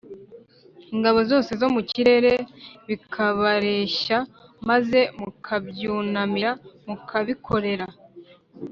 ingabo zose zo mu kirere, bikabareshya maze mukabyunamira mukabikorera,